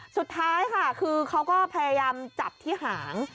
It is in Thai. สุดท้ายค่ะคือเขาก็พยายามจับที่หาง